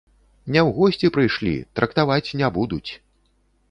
Не ў госці прыйшлі, трактаваць не будуць.